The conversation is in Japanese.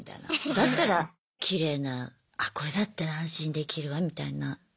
だったらきれいなあこれだったら安心できるわみたいな。